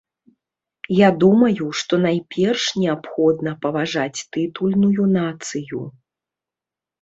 Я думаю, што найперш неабходна паважаць тытульную нацыю.